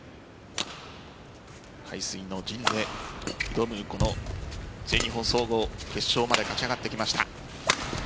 背水の陣で挑むこの全日本総合決勝まで勝ち上がってきました。